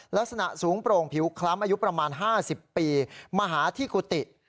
ลักษณะสูงโปร่งผิวคล้ำอายุประมาณ๕๐ปีมาหาที่กุฏิ